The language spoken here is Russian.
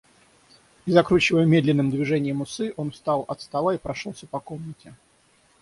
И, закручивая медленным движением усы, он встал от стола и прошелся по комнате.